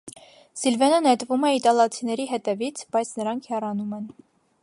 Սիլվենը նետվում է իտալացիների հետևից, բայց նրանք հեռանում են։